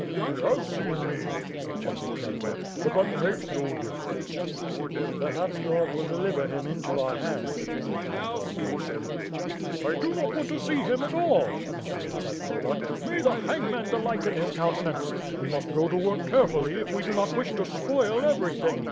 "He has seen me," said Podbipyenta, 'Tjut that makes no diflPerence." "Perhaps God will deliver him into our hands," said Pan Volodiyovski. "I do not want to see him at all," continued Zagloba. *TMay the hangman delight in his countenance! We must go to work carefully, if we do not wish to spoil everything.